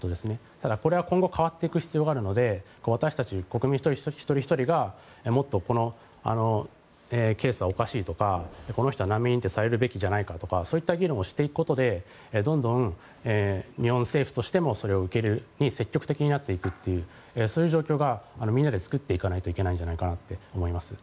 ただ、これは今後変わっていく必要があるので私たち国民一人ひとりがもっとこのケースはおかしいとかこの人は難民認定されるべきではとかそういう議論をすることでどんどん日本政府としてもその受け入れに積極的になっていくという状況をみんなで作っていかないといけないんじゃないかなと思います。